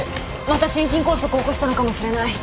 また心筋梗塞を起こしたのかもしれない。